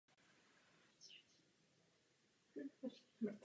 To je ale jen jedna strana mince.